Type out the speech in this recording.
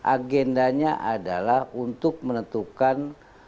agendanya adalah untuk menentukan